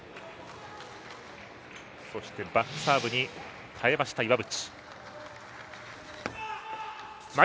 そしてバックサーブに耐えました岩渕。